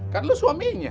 karna lu suaminya